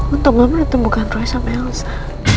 untuk gak menentukan roy sama elsa